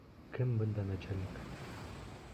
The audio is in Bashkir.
Кем бында начальник?